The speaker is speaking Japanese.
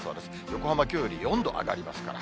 横浜、きょうより４度上がりますから。